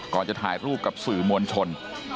จะถ่ายรูปกับสื่อมวลชน